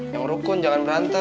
yang rukun jangan berantem